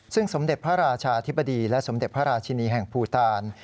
ซึ่งสมเด็จพระราชาธิบดีและสมเด็จพระราชินีแห่งภูตาล